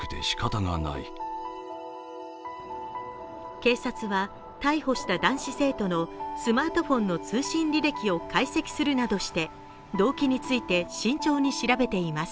警察は逮捕した男子生徒のスマートフォンの通信履歴を解析するなどして、動機について慎重に調べています。